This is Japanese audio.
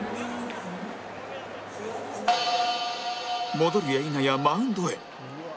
戻るや否やマウンドへ